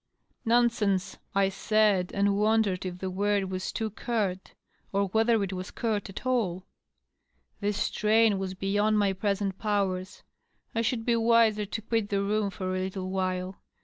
" Nonsense !" I said, and wondered if the word was too curt, or whether it was curt at all. This strain was beyond my present powers ; I should be wiser to quit the room for a little while.